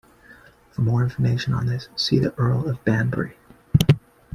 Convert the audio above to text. For more information on this, see the Earl of Banbury.